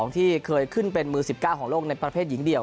ที่เคยขึ้นเป็นมือ๑๙ของโลกในประเภทหญิงเดียว